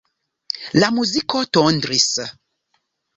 La muziko tondris.